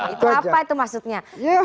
itu apa itu maksudnya